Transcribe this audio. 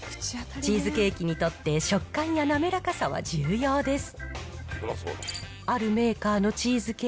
チーズケーキにとって、食感や滑らかさは重要です。